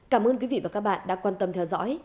cảm ơn quý vị và các bạn đã quan tâm theo dõi